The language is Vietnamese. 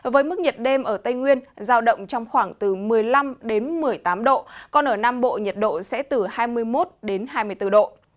với mức nhiệt đêm ở tây nguyên giao động trong khoảng từ một mươi năm một mươi tám độ còn ở nam bộ nhiệt độ sẽ từ hai mươi một hai mươi bốn độ